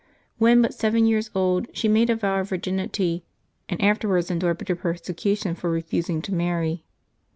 When but seven years old, she made a vow of vir ginity, and afterwards endured bitter persecution for re fusing to marry.